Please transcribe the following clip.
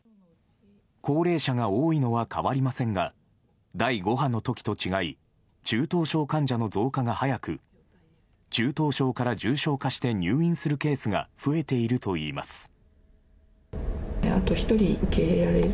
高齢者が多いのは変わりませんが第５波の時と違い中等症患者の増加が早く中等症から重症化して入院するケースが増えているといいます。